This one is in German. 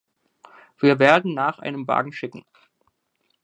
Wir werden nach einem Wagen schicken.